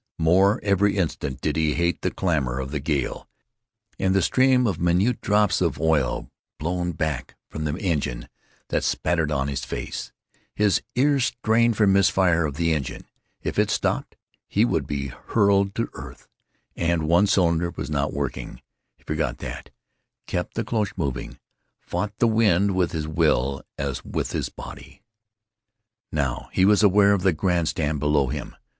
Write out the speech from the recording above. More every instant did he hate the clamor of the gale and the stream of minute drops of oil, blown back from the engine, that spattered his face. His ears strained for misfire of the engine, if it stopped he would be hurled to earth. And one cylinder was not working. He forgot that; kept the cloche moving; fought the wind with his will as with his body. Now, he was aware of the grand stand below him.